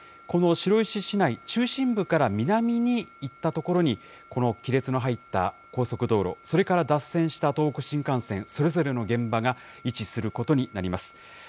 この白石市内、中心部から南に行ったところに、この亀裂の入った高速道路、それから脱線した東北新幹線、それぞれの現場が位置することになります。